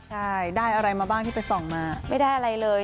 ใช่ได้อะไรมาบ้างที่ไปส่องมาไม่ได้อะไรเลย